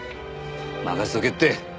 任せとけって。